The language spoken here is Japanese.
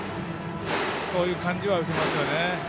そういう感じは受けますね。